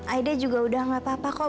aida juga udah gak apa apa kok